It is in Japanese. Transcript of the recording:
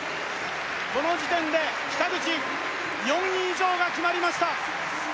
この時点で北口４位以上が決まりました